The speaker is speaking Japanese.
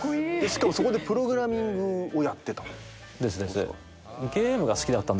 しかもそこでプログラミングをやってた。ですです。